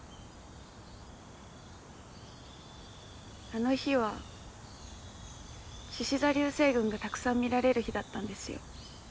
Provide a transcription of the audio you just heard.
あの日はしし座流星群がたくさん見られる日だったんですよ。